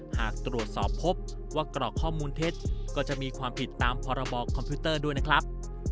หากตรวจสอบพบว่ากรอกข้อมูลเท็จก็จะมีความผิดตามพรบคอมพิวเตอร์ด้วยนะครับ